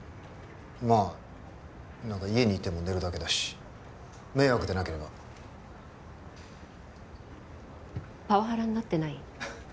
まあ何か家にいても寝るだけだし迷惑でなければパワハラになってない？